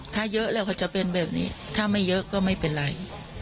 ถ้าเยอะแล้วเขาจะเป็นแบบนี้ถ้าไม่เยอะก็ไม่เป็นไร